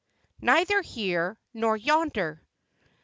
'Neither Here, Nor Yonder."